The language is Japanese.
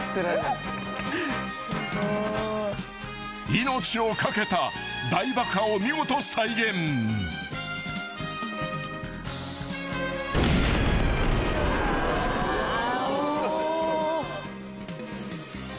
［命を懸けた大爆破を見事再現］え。